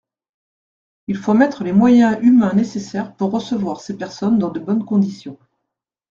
Il faut mettre les moyens humains nécessaires pour recevoir ces personnes dans de bonnes conditions.